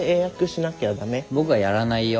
僕はやらないよ。